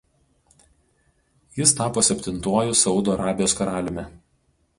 Jis tapo septintuoju Saudo Arabijos karaliumi.